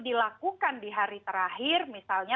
dilakukan di hari terakhir misalnya